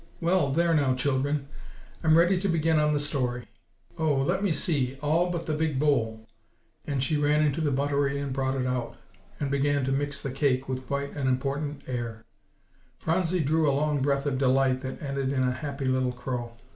"Well, there now, children, I'm ready to begin on the story. Oh, let me see, all but the big bowl;" and she ran into the buttery and brought it out, and began to mix the cake with quite an important air. Phronsie drew a long breath of delight that ended in a happy little crow.